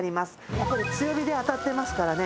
やっぱり強火で当たってますからね